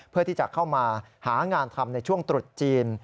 เพื่อที่จะเข้ามาหางานทำในช่วงตรุษจีน